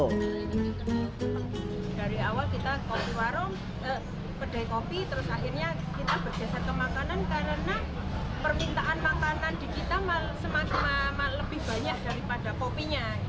dari awal kita kopi warung kedai kopi terus akhirnya kita bergeser ke makanan karena permintaan makanan di kita semakin lebih banyak daripada kopinya